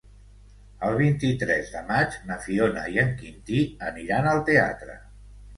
El vint-i-tres de maig na Fiona i en Quintí aniran al teatre.